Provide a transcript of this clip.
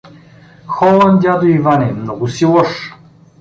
— Холан, дядо Иване, много си лош.